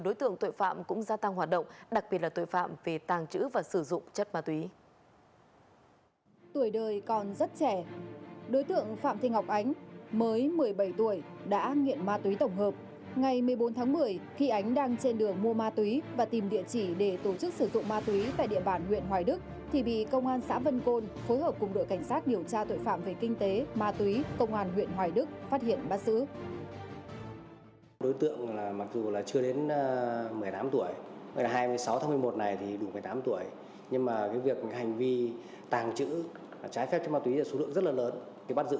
đối tượng này đang trên đường mua ma túy và tìm địa chỉ để tổ chức sử dụng ma túy tại địa bàn huyện hoài đức thì bị công an xã vân côn phối hợp cùng đội cảnh sát điều tra tội phạm về kinh tế ma túy công an huyện hoài đức phát hiện bắt giữ